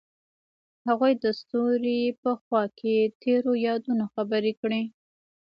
هغوی د ستوري په خوا کې تیرو یادونو خبرې کړې.